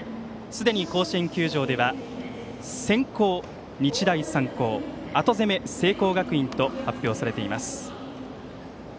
すでに甲子園球場では先攻、日大三高後攻め、聖光学院と発表されています。